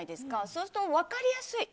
そういう人、分かりやすい。